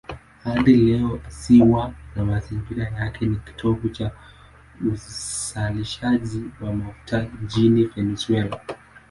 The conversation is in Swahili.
Hadi leo ziwa na mazingira yake ni kitovu cha uzalishaji wa mafuta nchini Venezuela.